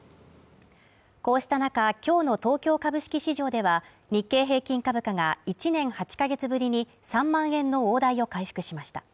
こうした中、今日の東京株式市場では日経平均株価が１年８ヶ月ぶりに３万円の大台を回復しました。